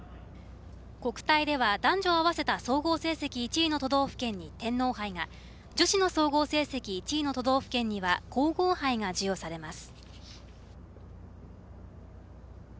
国体では男女合わせた総合成績１位の都道府県に天皇杯が女子の総合成績１位の都道府県には皇后杯が授与されます。